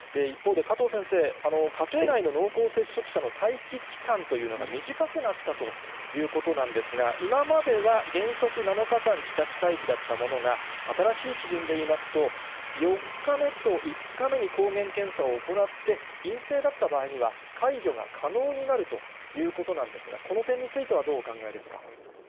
一方で加藤先生、家庭内の濃厚接触者の待機期間というのが短くなったということなんですが、今までは原則、７日間、自宅待機だったものが、新しい基準でいいますと、４日目と５日目に抗原検査を行って、陰性だった場合には、解除が可能になるということなんですが、この点についてはどうお考えですか？